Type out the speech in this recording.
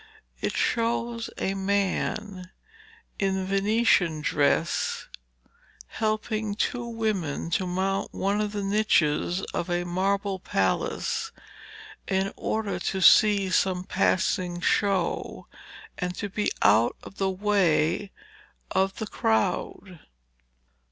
It shows a man in Venetian dress helping two women to mount one of the niches of a marble palace in order to see some passing show, and to be out of the way of the crowd.